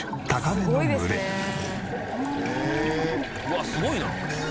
「うわっすごいな」